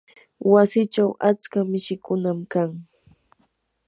wasichaw atska mishikunam kan.